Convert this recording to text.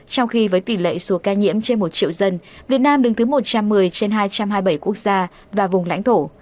trong khi với tỷ lệ số ca nhiễm trên một triệu dân việt nam đứng thứ một trăm một mươi trên hai trăm hai mươi bảy quốc gia và vùng lãnh thổ